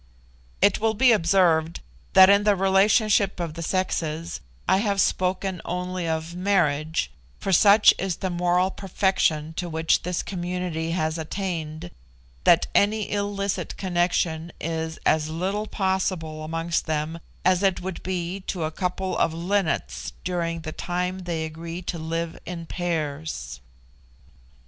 It will be observed that in the relationship of the sexes I have spoken only of marriage, for such is the moral perfection to which this community has attained, that any illicit connection is as little possible amongst them as it would be to a couple of linnets during the time they agree to live in pairs.